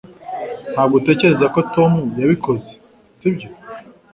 Ntabwo utekereza ko Tom yabikoze sibyo